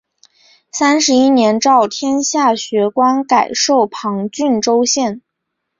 三十一年诏天下学官改授旁郡州县。